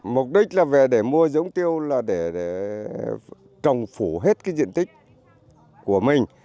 mục đích là về để mua giống tiêu là để trồng phủ hết cái diện tích của mình